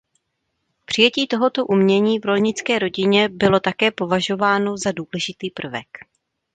Přijetí tohoto umění v rolnické rodině bylo také považováno za důležitý prvek.